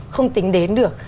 không tính đến được